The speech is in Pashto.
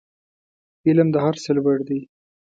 علم د هر څه لوړ دی